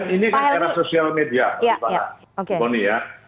ini kan era sosial media